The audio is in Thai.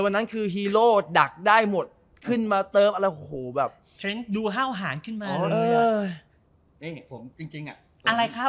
วันนั้นคือฮีโร่ดักได้หมดขึ้นมาเติร์ฟอันแล้วโหแบบเช้นดูเห่าหางขึ้นมาเลยอ่ะ